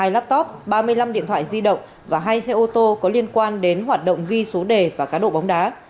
hai laptop ba mươi năm điện thoại di động và hai xe ô tô có liên quan đến hoạt động ghi số đề và cá độ bóng đá